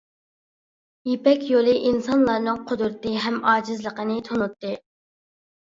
يىپەك يولى ئىنسانلارنىڭ قۇدرىتى ھەم ئاجىزلىقىنى تونۇتتى.